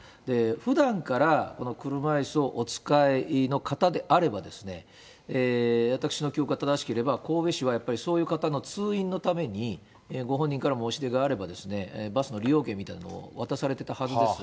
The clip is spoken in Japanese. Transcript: ふだんから、車いすをお使いの方であれば、私の記憶が正しければ、神戸市はやっぱりそういう方の通院のために、ご本人から申し出があれば、バスの利用券みたいなものを渡されてきたはずです。